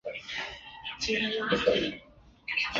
欧森巴克。